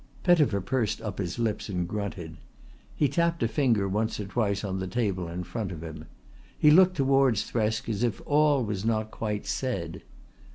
Pettifer pursed up his lips and grunted. He tapped a finger once or twice on the table in front of him. He looked towards Thresk as if all was not quite said.